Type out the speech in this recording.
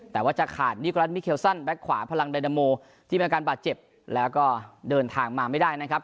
แต่จะขาดนิโกรัมิเขวซัลด์แบ็กคาพลังดาแลนโมที่มาการบาดเจ็บและก็เดินทางมาไม่ได้นะครับ